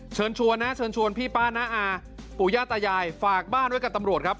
เชิญชวนนะเชิญชวนพี่ป้าน้าอาปู่ย่าตายายฝากบ้านไว้กับตำรวจครับ